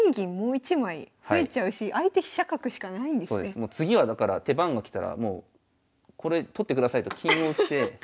もう次はだから手番が来たらもうこれ取ってくださいと金を打って。